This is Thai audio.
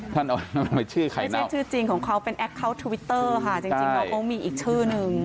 ไม่ใช่ชื่อจริงของเขาเป็นแอคเคาน์ทวิตเตอร์ค่ะจริงน้องเขามีอีกชื่อนึง